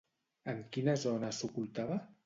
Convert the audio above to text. En quina zona s'ocultava?